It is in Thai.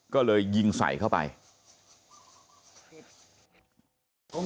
กระดิ่งเสียงเรียกว่าเด็กน้อยจุดประดิ่ง